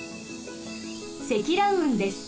積乱雲です。